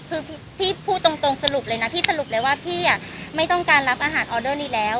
คือพี่พูดตรงสรุปเลยนะพี่สรุปเลยว่าพี่ไม่ต้องการรับอาหารออเดอร์นี้แล้ว